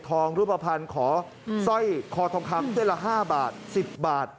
ทองรูปภัณฑ์ขอสร้อยคอทองคำเส้นละ๕บาท๑๐บาท